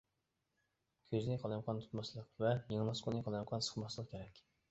كۆزنى قالايمىقان تۇتماسلىق ۋە يىڭناسقۇنى قالايمىقان سىقماسلىق كېرەك.